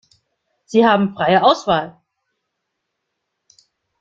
Sie haben freie Auswahl.